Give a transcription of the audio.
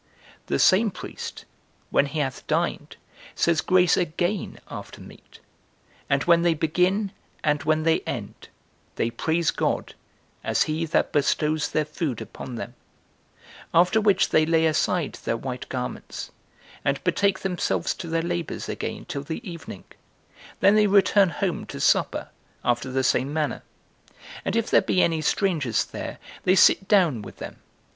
The same priest, when he hath dined, says grace again after meat; and when they begin, and when they end, they praise God, as he that bestows their food upon them; after which they lay aside their [white] garments, and betake themselves to their labors again till the evening; then they return home to supper, after the same manner; and if there be any strangers there, they sit down with them.